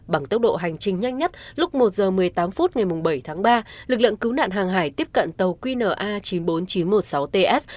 bằng tốc độ hành trình nhanh nhất lúc một h một mươi tám phút ngày bảy tháng ba lực lượng cứu nạn hàng hải tiếp cận tàu qna chín mươi bốn nghìn chín trăm một mươi sáu ts